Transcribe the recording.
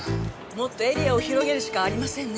もっとエリアを広げるしかありませんね。